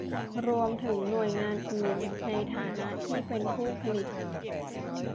รวมถึงหน่วยงานอื่นในฐานะที่เป็นผู้ผลิต